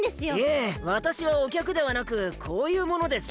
いえわたしはおきゃくではなくこういうものです。